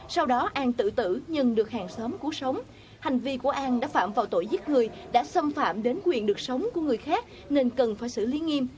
sau đó an tự tử nhưng được hàng xóm cuốn sống hành vi của an đã phạm vào tội giết người đã xâm phạm đến quyền được sống của người khác nên cần phải xử lý nghiêm